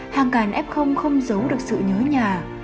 hàng càn ép không không giấu được sự nhớ nhà